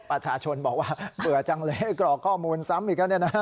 ประชาชนบอกว่าเบื่อจังเลยให้กรอกข้อมูลซ้ำอีกแล้วเนี่ยนะ